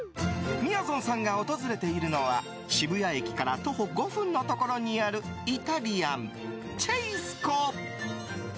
みやぞんさんが訪れているのは渋谷駅から徒歩５分のところにあるイタリアン、ＣＨＡＳＥＣＯ。